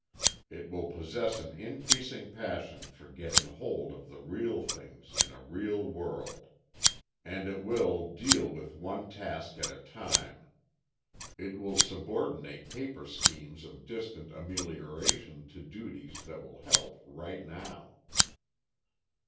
It will possess an increasing passion for getting hold of the real things in a real world. And it will ... deal with one task at a time. It will subordinate paper schemes of distant amelioration to duties that will help right now."